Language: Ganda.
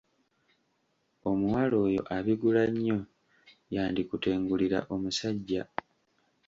Omuwala oyo abigula nnyo yandikutengulira omusajja.